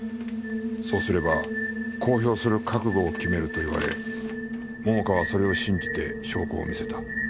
「そうすれば公表する覚悟を決める」と言われ桃花はそれを信じて証拠を見せた。